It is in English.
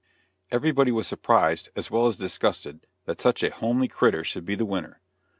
Everybody was surprised, as well as disgusted, that such a homely "critter" should be the winner.